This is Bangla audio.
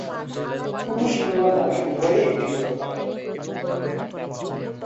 পুরুষ কিংবা নারী উভয়েই এটি করতে পারে।